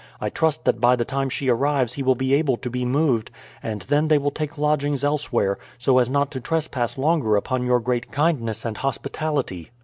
I trust that by the time she arrives he will be able to be moved, and then they will take lodgings elsewhere, so as not to trespass longer upon your great kindness and hospitality."